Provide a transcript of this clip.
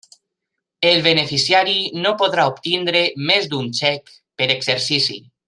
El beneficiari no podrà obtindre més d'un xec per exercici.